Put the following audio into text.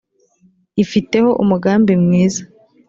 ifiteho umugambi mwiza.